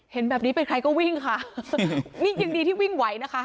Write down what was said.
เห็นแบบนี้เป็นใครก็วิ่งค่ะนี่ยังดีที่วิ่งไหวนะคะ